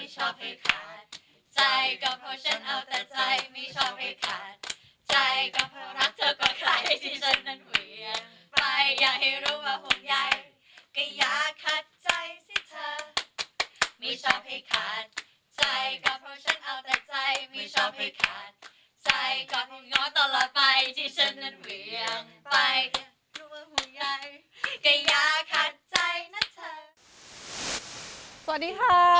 สวัสดีค่ะสวัสดีพี่พี่พรดอกและก้อยนัทรีดี